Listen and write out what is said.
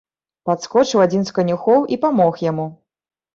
Падскочыў адзін з канюхоў і памог яму.